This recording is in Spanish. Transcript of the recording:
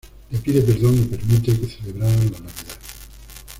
Le pide perdón y permite que celebraran la Navidad.